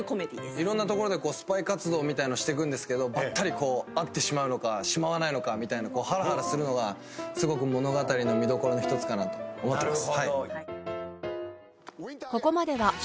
いろんな所でスパイ活動みたいのしてくんですけどばったり会ってしまうのかしまわないのかみたいなハラハラするのがすごく物語の見どころの一つかなと思っております。